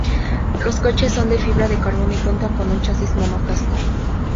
Los coches son de fibra de carbono y cuentan con un chasis monocasco.